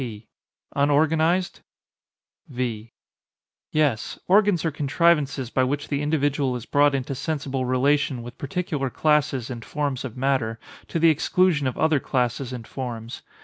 P. Unorganized? V. Yes; organs are contrivances by which the individual is brought into sensible relation with particular classes and forms of matter, to the exclusion of other classes and forms.